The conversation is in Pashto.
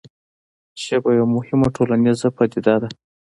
ژبه یوه مهمه ټولنیزه پدیده ده.